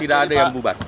tidak ada yang bubar